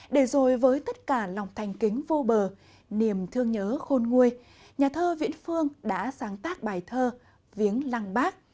để rồi với tất cả lòng thành kính vô bờ niềm thương nhớ khôn nguôi nhà thơ viễn phương đã sáng tác bài thơ viếng lăng bác